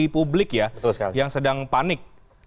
publik ya yang sedang panik